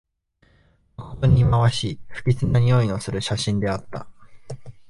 まことにいまわしい、不吉なにおいのする写真であった